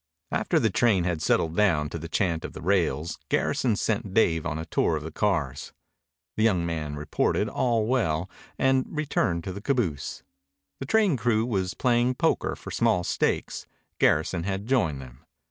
After the train had settled down to the chant of the rails Garrison sent Dave on a tour of the cars. The young man reported all well and returned to the caboose. The train crew was playing poker for small stakes. Garrison had joined them.